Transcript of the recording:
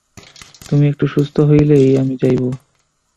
তুমি একটু সুস্থ হইলেই আমি যাইব।